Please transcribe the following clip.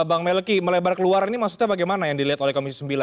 bang melki melebar keluar ini maksudnya bagaimana yang dilihat oleh komisi sembilan